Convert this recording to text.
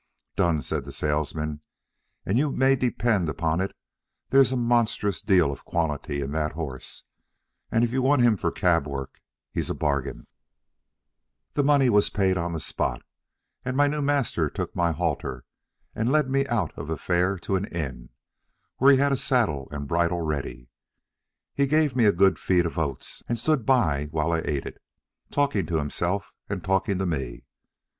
"Done," said the salesman; "and you may depend upon it there's a monstrous deal of quality in that horse, and if you want him for cab work he's a bargain." The money was paid on the spot, and my new master took my halter, and led me out of the fair to an inn, where he had a saddle and bridle ready. He gave me a good feed of oats, and stood by while I ate it, talking to himself and talking to me.